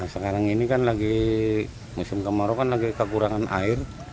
sekarang ini kan lagi musim kemarau kan lagi kekurangan air